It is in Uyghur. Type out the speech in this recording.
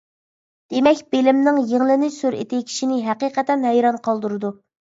دېمەك، بىلىمنىڭ يېڭىلىنىش سۈرئىتى كىشىنى ھەقىقەتەن ھەيران قالدۇرىدۇ.